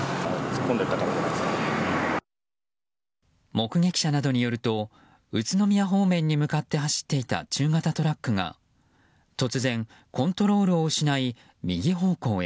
目撃者などによると宇都宮方面に向かって走っていた中型トラックが突然コントロールを失い右方向へ。